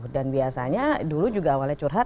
dan biasanya dulu juga awalnya curhat